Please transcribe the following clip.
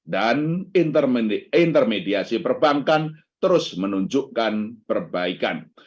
dan intermediasi perbankan terus menunjukkan perbaikan